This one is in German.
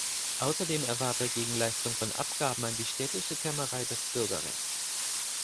Außerdem erwarb er gegen Leistung von Abgaben an die städtische Kämmerei das Bürgerrecht.